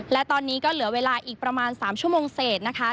และตอนนี้ก็เหลือเวลาอีกประมาณ๓ชั่วโมงเศษนะคะ